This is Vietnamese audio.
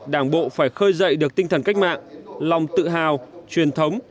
đảng bộ phải khơi dậy được tinh thần cách mạng lòng tự hào truyền thống